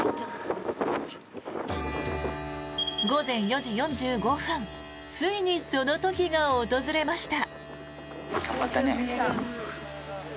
午前４時４５分ついにその時が訪れました。